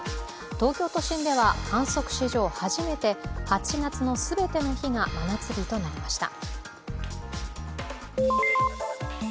東京都心では観測史上初めて８月の全ての日が真夏日となりました。